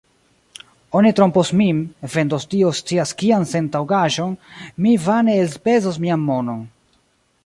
Oni trompos min, vendos Dio scias kian sentaŭgaĵon, mi vane elspezos mian monon.